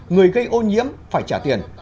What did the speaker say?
người gây ô nhiễm phải trả tiền